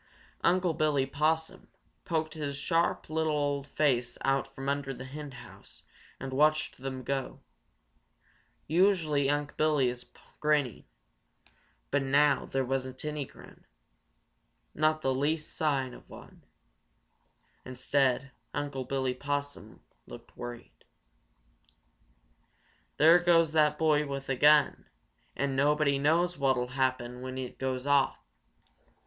Unc' Billy Possum poked his sharp little old face out from under the henhouse and watched them go. Usually Unc' Billy is grinning, but now there wasn't any grin, not the least sign of one. Instead Unc' Billy Possum looked worried. "There goes that boy with a gun, and nobody knows what'll happen when it goes off.